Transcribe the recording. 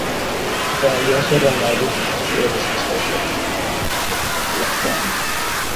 mfanyabiashara maarufu isidore strauss alisafiri katika darasa la kwanza